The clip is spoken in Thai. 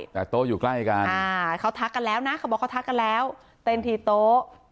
แต่โต๊ะอยู่ใกล้กันอ่าเขาทักกันแล้วนะเขาบอกเขาทักกันแล้วเต้นที่โต๊ะ